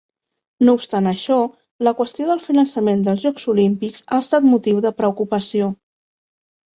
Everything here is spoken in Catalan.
No obstant això, la qüestió del finançament dels Jocs Olímpics ha estat motiu de preocupació.